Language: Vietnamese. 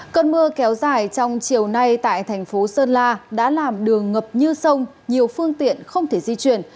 cơn mưa kéo dài trong chiều nay tại thành phố sơn la đã làm đường ngập như sông nhiều phương tiện không thể di chuyển